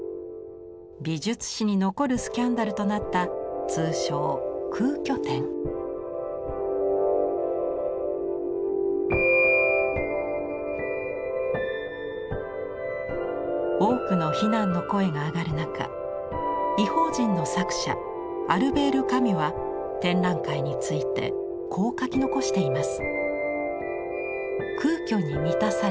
美術史に残るスキャンダルとなった通称多くの非難の声が上がる中「異邦人」の作者アルベール・カミュは展覧会についてこう書き残しています。